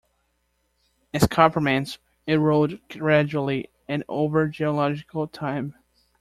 Escarpments erode gradually and over geological time.